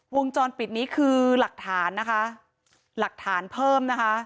วงจรปิดนี้คือหลักฐานนะคะหลักฐานเพิ่มนะคะ